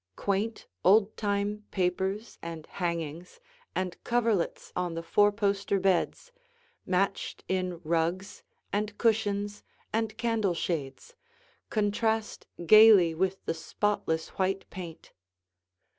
Quaint, old time papers and hangings and coverlets on the four poster beds, matched in rugs and cushions and candle shades, contrast gaily with the spotless white paint.